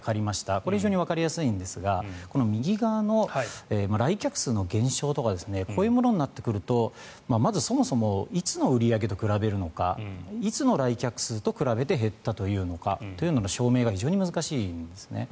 これは非常にわかりやすいんですが右側の来客数の減少とかこういうものになってくるとまず、そもそもいつの売り上げと比べるのかいつの来客数と比べて減ったというのかというのが証明が非常に難しいんですね。